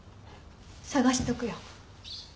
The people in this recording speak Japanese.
探しとくよ。